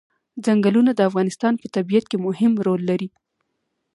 ځنګلونه د افغانستان په طبیعت کې مهم رول لري.